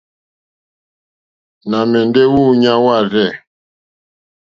Nà mɛ̀ndɛ́ wúǔɲá wârzɛ̂.